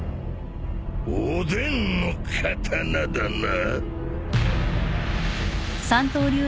おでんの刀だな！？